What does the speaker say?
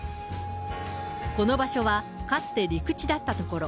この場所は、かつて陸地だった所。